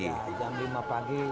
ya jam lima pagi